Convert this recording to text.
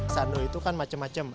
sando itu kan macem macem